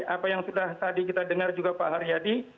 apa yang sudah tadi kita dengar juga pak haryadi